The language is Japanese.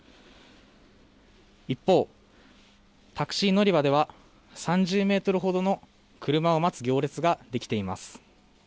一方、タクシー乗り場では３０メートルほどの車を待つ行列ができています。